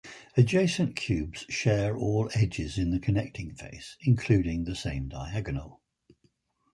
Adjacent cubes share all edges in the connecting face, including the same diagonal.